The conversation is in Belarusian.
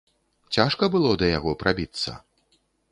Цяжка было да яго прабіцца?